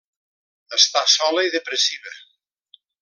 Està sola i depressiva.